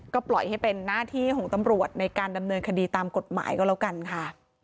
ก็ปล่อยให้เป็นหน้าที่ของตำรวจในการดำเนินคดีตามกฎหมายก็แล้วกันค่ะ